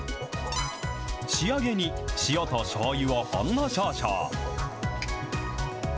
仕上げに、塩としょうゆをほんの少々。